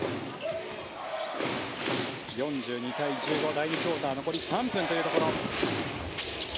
第２クオーター残り３分というところ。